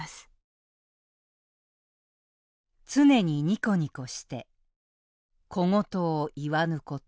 「常にニコニコして小言を言わぬこと」。